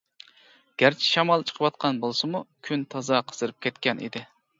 گەرچە شامال چىقىۋاتقان بولسىمۇ، كۈن تازا قىزىپ كەتكەن ئىدى.